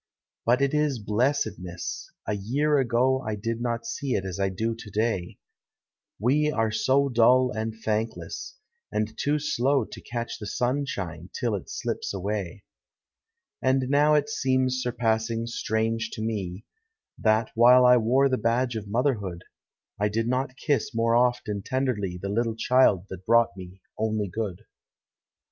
But it is blessedness! a year ago I did not sec it as I do to dav — We are so dull and thankless; and too slow To catch the sunshine till it slips away. Digitized by Google THE nOME. 2s:i And now it seems surpassing strange to me, That, while 1 wore the badge of motherhood, 1 did not kiss more oft and tenderly The little child that brought me only good.